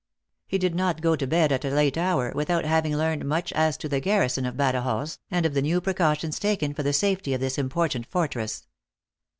He did not go to bed, at a late hour, without having learned much as to the garrison of Badajoz, and of the few precau tions taken for the safety of this important fortress.